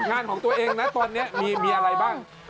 งานของตัวเองนะตอนนี้มีอะไรบ้าง